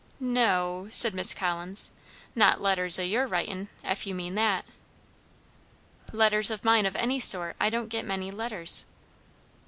"N o," said Miss Collins; "not letters o' your writin,' ef you mean that." "Letters of mine of any sort. I don't get many letters."